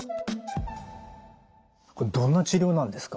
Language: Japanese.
どんな治療なんですか？